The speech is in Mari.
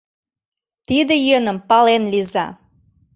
Тиде йӧным пален лийза!